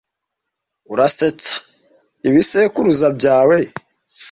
"Urasetsa ibisekuruza byawe